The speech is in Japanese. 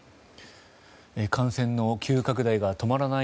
感染の急拡大が止まらない